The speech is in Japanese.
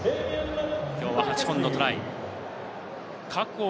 きょうは８本のトライ。